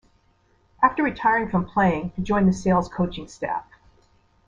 After retiring from playing he joined the Sale's Coaching staff.